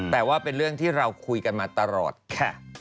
แต่ว่าเป็นเรื่องที่เราคุยกันมาตลอดค่ะ